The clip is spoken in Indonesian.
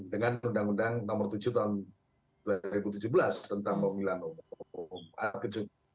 dengan undang undang nomor tujuh tahun dua ribu tujuh belas tentang pemilu nombor empat ke tujuh